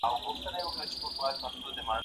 زه اجازه لرم چي کښېناستل وکړم!.